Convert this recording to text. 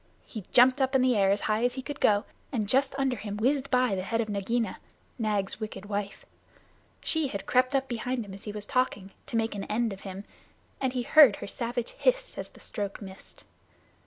He jumped up in the air as high as he could go, and just under him whizzed by the head of Nagaina, Nag's wicked wife. She had crept up behind him as he was talking, to make an end of him. He heard her savage hiss as the stroke missed.